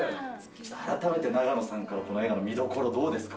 改めて永野さんから、この映画の見どころ、どうですか？